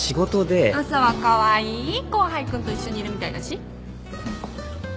朝はカワイイ後輩君と一緒にいるみたいだし。